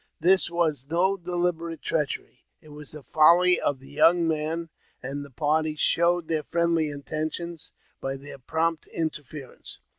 This was na deliberate treachery ; it was the folly of the young man, and the party showed their friendly intention by their prompt in terference.